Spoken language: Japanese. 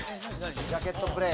ジャケットプレー。